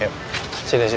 yuk sini sini